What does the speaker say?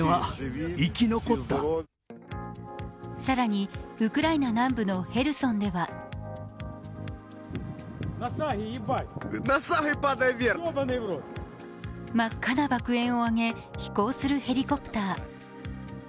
更に、ウクライナ南部のヘルソンでは真っ赤な爆炎を上げ飛行するヘリコプター。